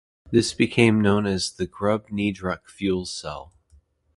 This became known as the "Grubb-Niedrach fuel cell".